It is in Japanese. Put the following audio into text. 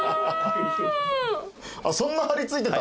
そんな張り付いてた？